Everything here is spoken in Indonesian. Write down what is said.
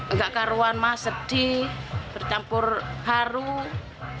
enggak karuan mas sedih bercampur harum